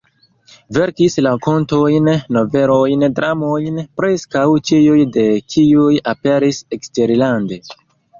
Verkis rakontojn, novelojn, dramojn, preskaŭ ĉiuj de kiuj aperis eksterlande.